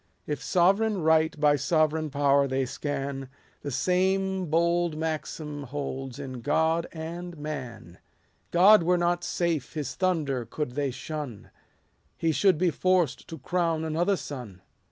If sovereign right by sovereign power they scan, The same bold maxim holds in God and man : God were not safe, his thunder could they shun, He should be forced to crown another son.